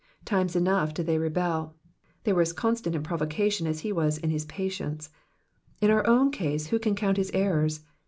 '^^ Times enough did they rebel : they were as constant in provocation as he was in his patience. In our own case, vho can coimt his errors?